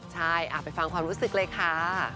ใช่ไปฟังความรู้สึกเลยค่ะ